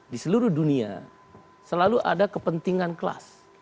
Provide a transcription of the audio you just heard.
di seluruh dunia selalu ada kepentingan kelas